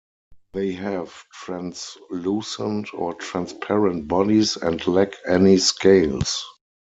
They have translucent or transparent bodies, and lack any scales.